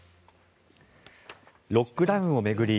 ロックダウンを巡り